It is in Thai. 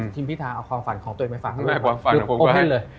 ทีมพิทาเอาความฝันของตัวเองไปฝากให้ด้วยหรือเปลี่ยนเลย